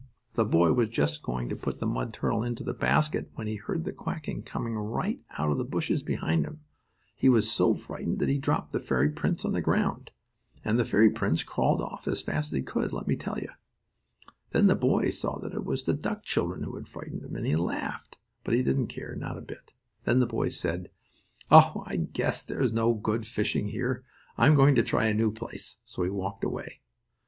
The boy was just going to put the mud turtle into the basket, but when he heard the quacking, coming right out of the bushes behind him, he was so frightened that he dropped the fairy prince on the ground. And the fairy prince crawled off as fast as he could, let me tell you. Then the boy saw that it was the duck children who had frightened him, and he laughed; but they didn't care, not a bit. Then the boy said: "Oh, I guess there is no good fishing here. I'm going to try a new place," so he walked away.